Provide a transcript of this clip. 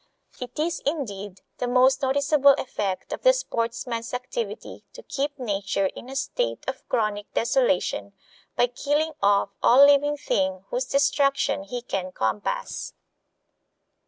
It is, indeed, the most noticeable effect of the sportsman's activity to keep nature in a state of chronic desolation by killing off all living thing whose destruction he can compass.